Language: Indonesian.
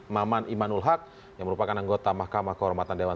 maman imanul haq yang merupakan anggota mahkamah kehormatan dewan